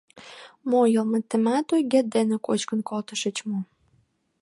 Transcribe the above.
Мо, йылметымат ойгет дене кочкын колтышыч мо?..